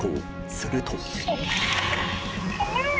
すると。